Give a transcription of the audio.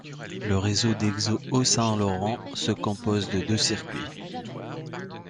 Le réseau d'Exo Haut-Saint-Laurent se compose de deux circuits.